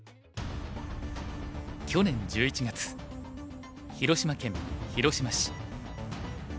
去年１１月広島県広島市。